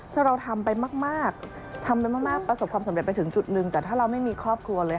ถ้าเราทำไปมากทำไปมากประสบความสำเร็จไปถึงจุดหนึ่งแต่ถ้าเราไม่มีครอบครัวเลย